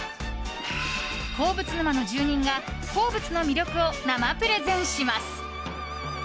鉱物沼の住人が鉱物の魅力を生プレゼンします。